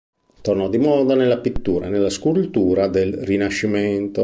Tornò di moda nella pittura e nella scultura del Rinascimento.